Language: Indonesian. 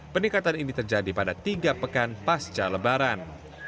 peningkatan ini terjadi pada tiga pekan pasca lebaran